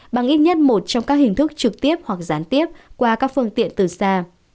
bằng ít nhất một trong các hình thức trực tiếp hoặc gián tiếp qua các phương tiện từ xa